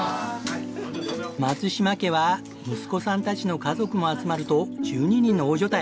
松嶋家は息子さんたちの家族も集まると１２人の大所帯。